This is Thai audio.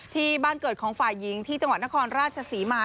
ที่บ้านเกิดของฝ่ายหญิงที่จังหวัดนครราชศรีมา